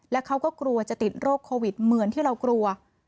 และเขาก็กลัวจะติดโรคโควิดเหมือนที่เรากลัว